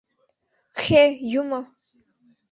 — Кхе, юмо!